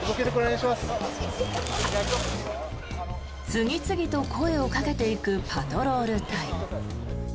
次々と声をかけていくパトロール隊。